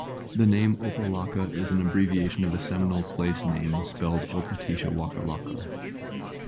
The name "Opa-locka" is an abbreviation of a Seminole place name, spelled Opa-tisha-wocka-locka.